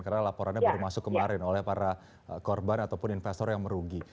karena laporannya baru masuk kemarin oleh para korban ataupun investor yang merugi